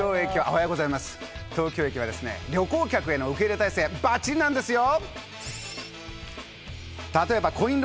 東京駅は旅行客への受け入れ態勢バッチリなんですよ。